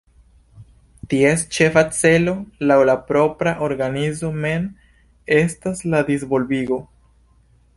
Ties ĉefa celo, laŭ la propra organizo mem, estas la disvolvigo.